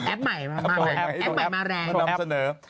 แอปใหม่มาแรง